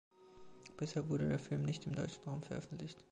Bisher wurde der Film nicht im deutschen Raum veröffentlicht.